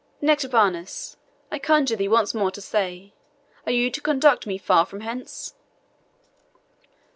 Nectabanus, I conjure thee once more to say, are you to conduct me far from hence?"